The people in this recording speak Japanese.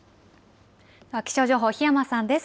気象情報、檜山さんです。